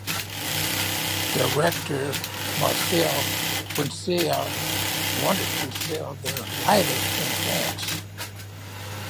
Director "Marcel Quercia" wanted to sell their lighter in France.